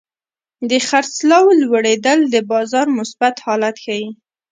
د خرڅلاو لوړېدل د بازار مثبت حالت ښيي.